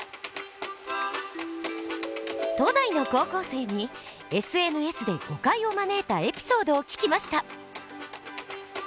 都内の高校生にＳＮＳで誤解を招いたエピソードを聞きました。